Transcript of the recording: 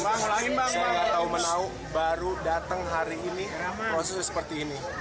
saya nggak tahu menau baru datang hari ini prosesnya seperti ini